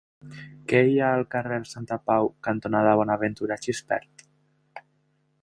Què hi ha al carrer Santapau cantonada Bonaventura Gispert?